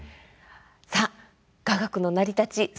さあ雅楽の成り立ち